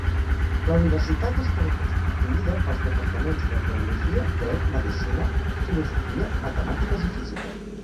La universitat estava constituïda pels departaments de Teologia, Dret, Medicina, Filosofia, Matemàtiques i Física.